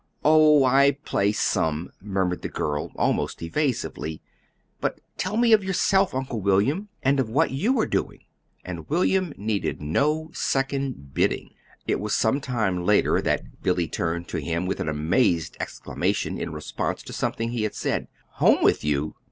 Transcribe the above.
"Oh, I play some," murmured the girl, almost evasively. "But tell me of yourself, Uncle William, and of what you are doing." And William needed no second bidding. It was some time later that Billy turned to him with an amazed exclamation in response to something he had said. "Home with you!